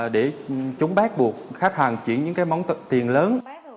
để chúng bác buộc khách hàng chuyển những món tiền lớn